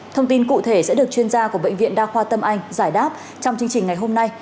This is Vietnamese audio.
thông tin cụ thể sẽ được chuyên gia của bệnh viện đa khoa tâm anh giải đáp trong chương trình ngày hôm nay